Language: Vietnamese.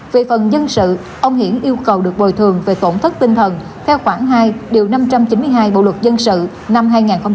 về phần dân sự ông hiển yêu cầu được bồi thường về tổn thất tinh thần theo khoảng hai năm trăm chín mươi hai bộ luật dân sự năm hai nghìn một mươi năm